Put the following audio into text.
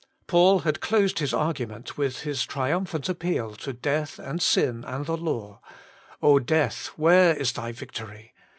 Paid had closed his argument with his triumphant appeal to Death and Sin and the Law :' O Death, where is thy victory?